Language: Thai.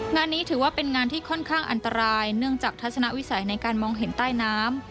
งานนี้ถือว่าเป็นงานที่ค่อนข้างอันตรายเนื่องจากทัศนวิสัยในการมองเห็นใต้น้ำ